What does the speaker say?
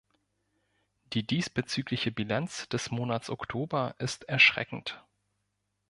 Die diesbezügliche Bilanz des Monats Oktober ist erschreckend.